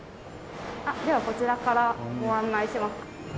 ではこちらからご案内します。